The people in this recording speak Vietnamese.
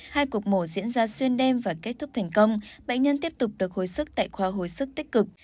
hai cuộc mổ diễn ra xuyên đêm và kết thúc thành công bệnh nhân tiếp tục được hồi sức tại khoa hồi sức tích cực